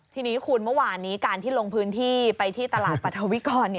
ทีนี้คุณเมื่อวานนี้การที่ลงพื้นที่ไปที่ตลาดปรัฐวิกร